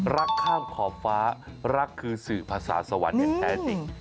รักข้ามขอบฟ้ารักคือสื่อภาษาสวรรค์อย่างแท้จริง